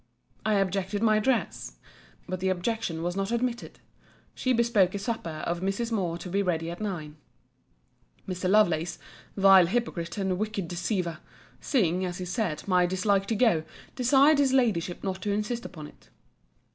I objected my dress. But the objection was not admitted. She bespoke a supper of Mrs. Moore to be ready at nine. Mr. Lovelace, vile hypocrite, and wicked deceiver! seeing, as he said, my dislike to go, desired his Ladyship not to insist upon it.